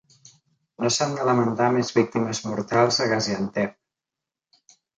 No s'han de lamentar més víctimes mortals a Gaziantep